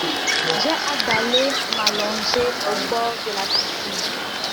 J'ai hâte d'aller m'allonger au bord de la piscine.